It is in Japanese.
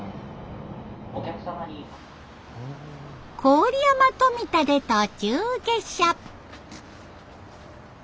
郡山富田で途中下車。